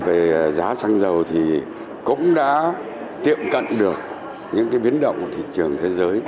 về giá xăng dầu thì cũng đã tiệm cận được những cái biến động của thị trường thế giới